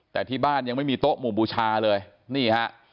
แต่ที่บ้านยังไม่มีโต๊ะหมู่บูชาเลยนี่ฮะ